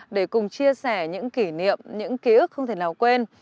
để cùng chia sẻ những kỷ niệm những ký ức không thể nào quên